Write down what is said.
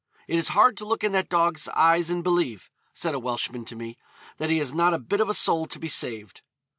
'It is hard to look in that dog's eyes and believe,' said a Welshman to me, 'that he has not a bit of a soul to be saved.'